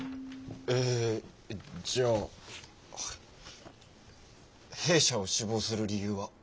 えじゃあ弊社を志望する理由は？